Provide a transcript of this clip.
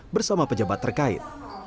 bersama pejabat terkait